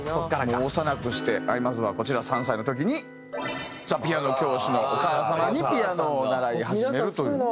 もう幼くしてまずはこちら３歳の時にピアノ教師のお母様にピアノを習い始めるという。